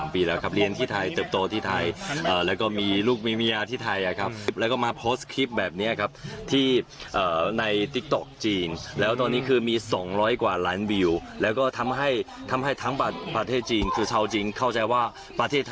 ประเทศไทยเขาแปรกเราไม่รู้เจตนาอะไร